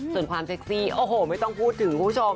ส่วนความเซ็กซี่โอ้โหไม่ต้องพูดถึงคุณผู้ชม